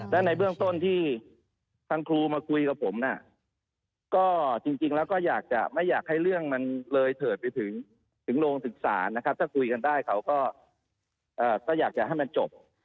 และในเบื้องต้นที่ทางครูมาคุยกับผมน่ะก็จริงแล้วก็อยากจะไม่อยากให้เรื่องมันเลยเถิดไปถึงโรงศึกษานะครับถ้าคุยกันได้เขาก็อยากจะให้มันจบ